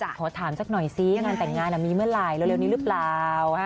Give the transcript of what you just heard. ขอถามสักหน่อยซิงานแต่งงานมีเมื่อไหร่เร็วนี้หรือเปล่า